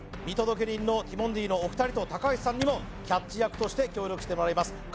見届け人のティモンディのお二人と高橋さんにもキャッチ役として協力してもらいます